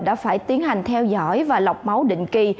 đã phải tiến hành theo dõi và lọc máu định kỳ